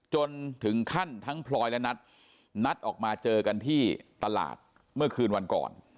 จนถึงขั้นทั้งพลอยและนัทนัดออกมาเจอกันที่ตลาดเมื่อคืนวันก่อน